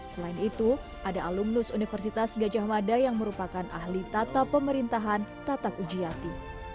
selain itu ada alumnus universitas gajah mada yang merupakan ahli tata pemerintahan tatak ujiati